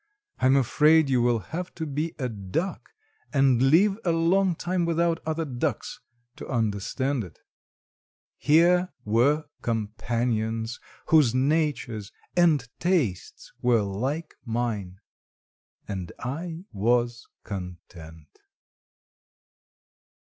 I am afraid you will have to be a duck, and live a long time without other ducks, to understand it. Here were companions, whose natures and tastes were like mine, and I was content.